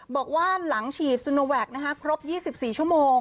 บอกว่าหลังฉีดซูโนแวคครบ๒๔ชั่วโมง